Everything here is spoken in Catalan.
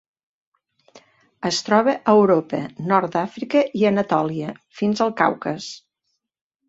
Es troba a Europa, nord d'Àfrica i Anatòlia fins al Caucas.